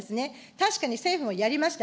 確かに政府もやりました。